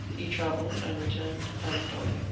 he travelled, and returned, anno Domini....